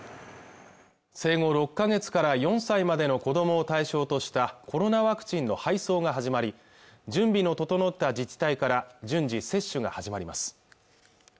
生後６か月から４歳までの子どもを対象としたコロナワクチンの配送が始まり準備の整った自治体から順次接種が始まります